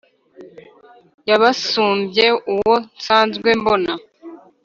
Yubasumbye uwo nsanzwe mbona.